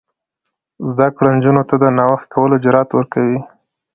زده کړه نجونو ته د نوښت کولو جرات ورکوي.